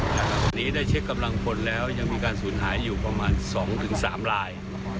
ขณะนี้ได้เช็คกำลังพลแล้วยังมีการสูญหายอยู่ประมาณ๒๓ลาย